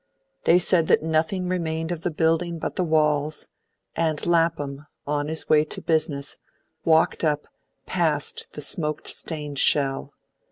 They said that nothing remained of the building but the walls; and Lapham, on his way to business, walked up past the smoke stained shell.